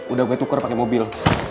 udah gue tuker pake mobil